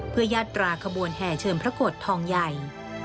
เพื่อยาตราขบวนแห่เชิญพระโกรธทองใหญ่